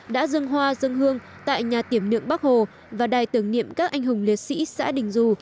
đã dâng hoa dâng hương tại nhà tiểm lượng bắc hồ và đài tưởng niệm các anh hùng liệt sĩ xã đình dù